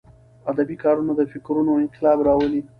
ادبي کارونه د فکرونو انقلاب راولي.